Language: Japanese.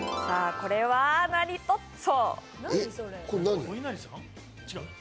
これは何トッツォ？